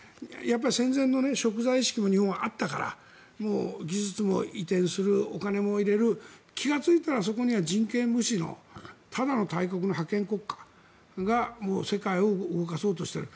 戦前の贖罪意識も日本はあったから技術も移転するお金も入れる気がついたらそこには人権無視のただの大国の覇権国家が世界を動かそうとしている。